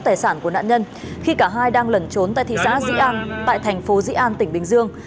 tài sản của nạn nhân khi cả hai đang lẩn trốn tại thị xã dĩ an tại thành phố dĩ an tỉnh bình dương